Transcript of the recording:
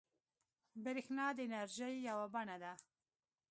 برېښنا د انرژۍ یوه بڼه ده.